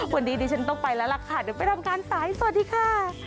วันนี้ดิฉันต้องไปแล้วล่ะค่ะเดี๋ยวไปทำการสายสวัสดีค่ะ